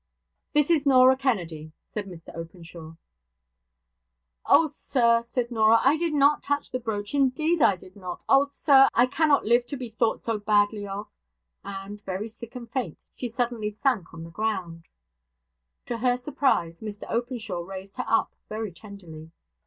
'This is Norah Kennedy,' said Mr Openshaw. 'Oh, sir,' said Norah, 'I did not touch the brooch; indeed I did not. Oh, sir, I cannot live to be thought so badly of'; and very sick and faint, she suddenly sank down on the ground. To her surprise, Mr Openshaw raised her up very tenderly.